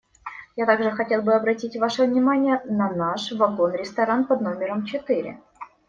Я также хотел бы обратить ваше внимание на наш вагон-ресторан под номером четыре.